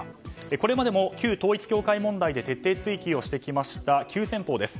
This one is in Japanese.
これまでも旧統一教会問題で徹底追及してきた急先鋒です。